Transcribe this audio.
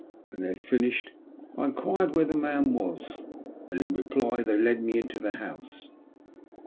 When they had finished I enquired where the man was, and in reply they led me into the house.